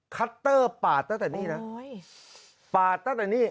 คัตเตอร์ปาดตั้งแต่นี่นะปาดตั้งแต่นี่